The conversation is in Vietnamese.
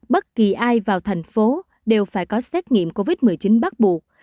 bất kỳ ai vào thành phố đều phải có xét nghiệm covid một mươi chín bắt buộc